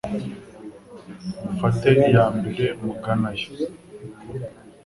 mufate iya mbere mugana yo